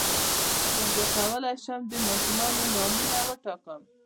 څنګه کولی شم د ماشومانو نومونه وټاکم